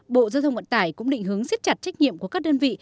bộ giao thông vận tải cũng định hướng siết chặt trách nhiệm của các đơn vị